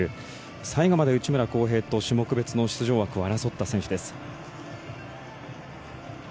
最後まで内村航平選手と種目別の出場枠を争った選手です。